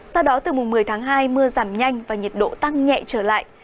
sau đó từ mùng một mươi tháng hai mưa giảm nhanh và nhiệt độ tăng nhẹ trở lại